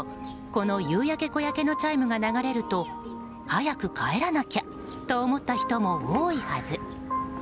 この「夕焼け小焼け」のチャイムが流れると早く帰らなきゃと思った人も多いはず。